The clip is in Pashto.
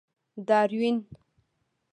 داروېن.